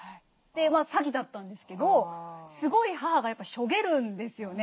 まあ詐欺だったんですけどすごい母がしょげるんですよね